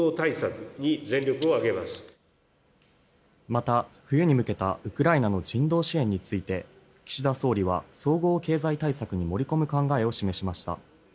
また、冬に向けたウクライナの人道支援について岸田総理は総合経済対策に盛り込む考えを示しました。